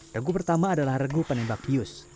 regu pertama adalah regu penembak bius